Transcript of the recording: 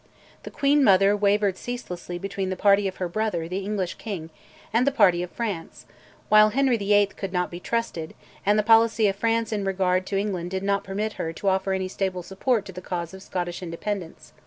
the queen mother wavered ceaselessly between the party of her brother, the English king, and the party of France; while Henry VIII. could not be trusted, and the policy of France in regard to England did not permit her to offer any stable support to the cause of Scottish independence.